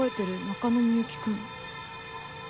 中野幸くん。